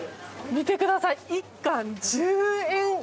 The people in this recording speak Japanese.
見てください、１貫１０円。